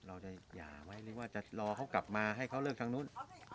หย่าไหมหรือว่าจะรอเขากลับมาให้เขาเลิกทางนู้น